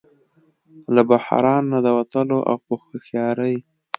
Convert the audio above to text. له بحران نه د وتلو او په هوښیارۍ